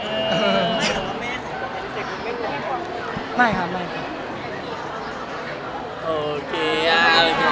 คุณแอบว่าแม่แขวนตนไทยเศกคุณยังไม่รู้